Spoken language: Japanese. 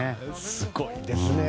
すごいですね。